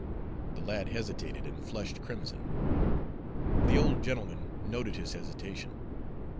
The lad hesitated, and flushed crimson. The old gentleman noted his hesitation.